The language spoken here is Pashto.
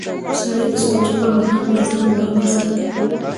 سړی د ستونزو پر مهال پر ځان باور ساتي